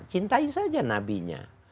cintai saja nabinya